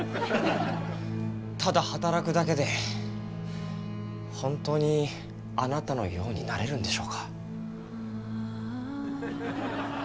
ただ働くだけで本当にあなたのようになれるんでしょうか？